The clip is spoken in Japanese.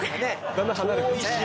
だんだん離れていく。